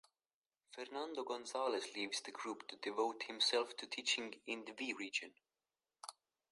Fernando González leaves the group to devote himself to teaching in the V Region.